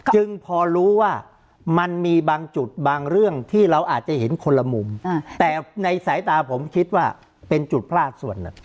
จึงพอรู้ว่ามันมีบางจุดบางเรื่องที่เราอาจจะเห็นคนละมุมแต่ในสายตาผมคิดว่าเป็นจุดพลาดส่วน